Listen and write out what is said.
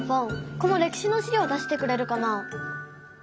この歴史のしりょう出してくれるかな？